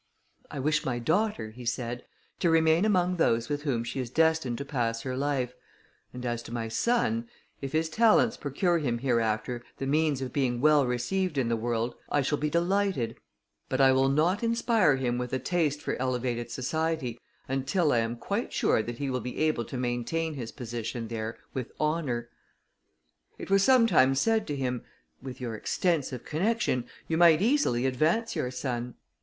"I wish my daughter," he said, "to remain among those with whom she is destined to pass her life; and as to my son, if his talents procure him hereafter the means of being well received in the world, I shall be delighted; but I will not inspire him with a taste for elevated society, until I am quite sure that he will be able to maintain his position there with honour." It was sometimes said to him, "With your extensive connection, you might easily advance your son."